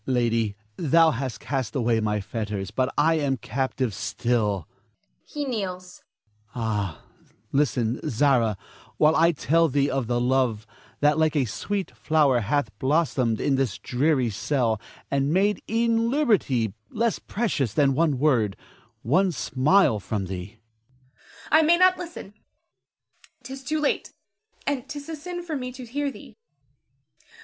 Lady, thou hast cast away my fetters, but I am captive still [he kneels]. Ah, listen, Zara, while I tell thee of the love that like a sweet flower hath blossomed in this dreary cell, and made e'en liberty less precious than one word, one smile from thee. Zara. I may not listen, 'tis too late, and 'tis a sin for me to hear thee.